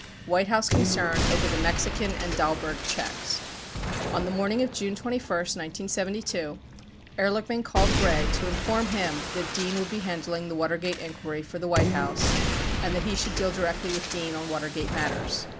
White House Concern Over the Mexican and Dahlberg Checks On the morning of June 21, 1972, Ehrlichman called Gray to in form him that Dean would be handling the Watergate inquiry for the White House and that lie should deal directly with Dean on Water gate matters.